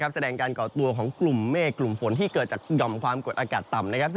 แสดงการก่อตัวของกลุ่มเมฆกลุ่มฝนที่เกิดจากหย่อมความกดอากาศต่ำนะครับ